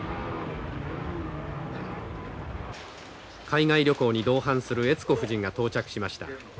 海外旅行に同伴する悦子夫人が到着しました。